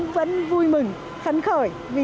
vẫn vui mình khấn khởi